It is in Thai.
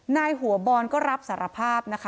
นายหัวบอลก็รับสารภาพนะคะ